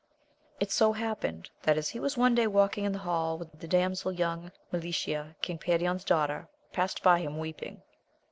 T SO happened, that as he was one day walk ing in the hall with the damsel, young Me licia, King Perion's daughter, past by him weeping.